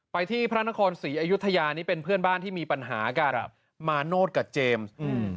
ที่พระนครศรีอยุธยานี่เป็นเพื่อนบ้านที่มีปัญหากันครับมาโนธกับเจมส์อืม